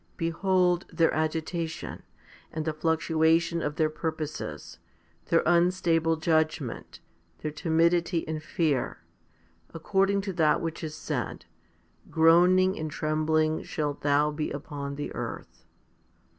Behold their agitation, and the fluctua tion of their purposes, their unstable judgment, their timidity and fear, according to that which is said, Groaning and trembling shall thou be upon the earth.